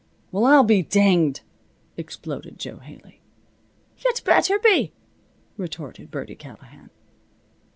"Well I'll be dinged!" exploded Jo Haley. "Yuh'd better be!" retorted Birdie Callahan.